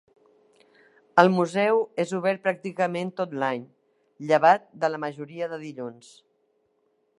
El Museu és obert pràcticament tot l'any, llevat de la majoria de dilluns.